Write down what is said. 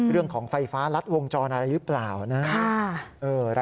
เรื่องของไฟฟ้ารัดวงจรอะไรหรือเปล่านะ